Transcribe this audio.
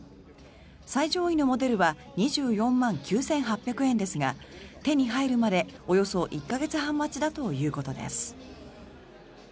最上位のモデルは２４万９８００円ですが手に入るまでおよそ１か月半待ちだということです。